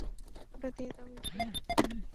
ওটা দিয়ে দাও, ভিক্টর।